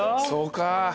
そうか。